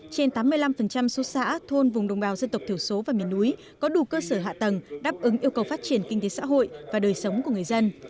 trên tám mươi năm số xã thôn vùng đồng bào dân tộc thiểu số và miền núi có đủ cơ sở hạ tầng đáp ứng yêu cầu phát triển kinh tế xã hội và đời sống của người dân